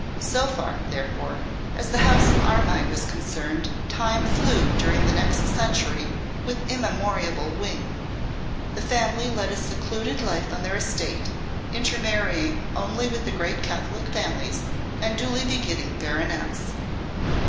So far, therefore, as the house of Armine was concerned, time flew during the next century with immemorable wing. The family led a secluded life on their estate, intermarrying only with the great Catholic families, and duly begetting baronets.